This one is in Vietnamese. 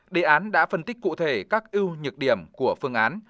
đề án đã phân tích cụ thể các ưu nhược điểm của phương án